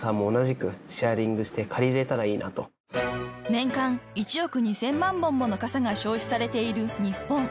［年間１億２，０００万本もの傘が消費されている日本］